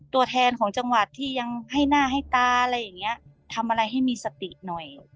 ตัวแทนของจังหวัดที่ยังให้หน้าให้ตาอะไรอย่างเงี้ยทำอะไรให้มีสติหน่อย